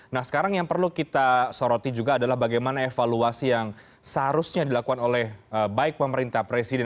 nah sekarang yang perlu kita soroti juga adalah bagaimana evaluasi yang seharusnya dilakukan oleh baik pemerintah presiden